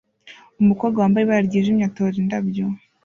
Umukobwa wambaye ibara ryijimye atora indabyo